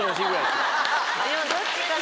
でもどっちかな？